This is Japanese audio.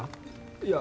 いや。